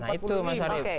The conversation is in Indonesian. nah itu mas arief